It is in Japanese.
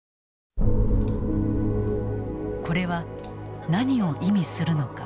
これは何を意味するのか。